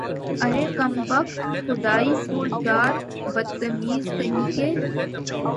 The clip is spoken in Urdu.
ارے کم بخت، خدائی فوجدار، بدتمیز کہیں کے